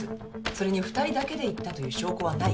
それに２人だけで行ったという証拠はない。